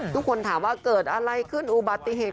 ทุกคนถามว่าเกิดอะไรขึ้นอุบัติเหตุ